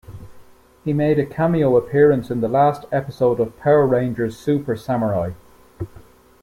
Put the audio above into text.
He made a cameo appearance in the last episode of Power Rangers Super Samurai.